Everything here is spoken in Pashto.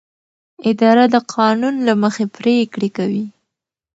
اداره د قانون له مخې پریکړې کوي.